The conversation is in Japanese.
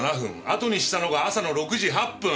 あとにしたのが朝の６時８分。